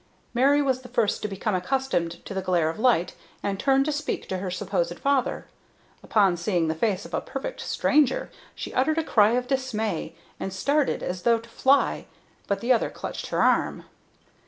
Mary was the first to become accustomed to the glare of light, and turned to speak to her supposed father. Upon seeing the face of a perfect stranger she uttered a cry of dismay, and started as though to fly, but the other clutched her arm.